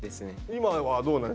今はどうなの？